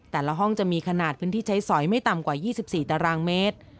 แต่ละห้องจะมีขนาดพื้นที่ใช้สอยไม่ต่ำกว่า๒๔ตารางเมตร